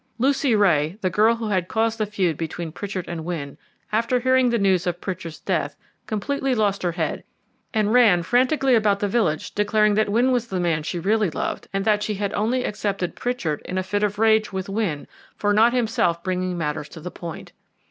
Lucy Ray, the girl who had caused the feud between Pritchard and Wynne, after hearing the news of Pritchard's death, completely lost her head, and ran frantically about the village declaring that Wynne was the man she really loved, and that she had only accepted Pritchard in a fit of rage with Wynne for not himself bringing matters to the point.